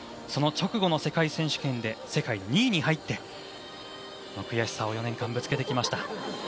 その直後の世界選手権で世界２位に入って悔しさを４年間ぶつけてきました。